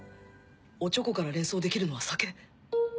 オチョコから連想できるのは酒